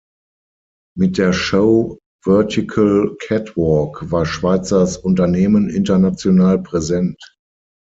Mit der Show „Vertical Catwalk“ war Schweizers Unternehmen international präsent.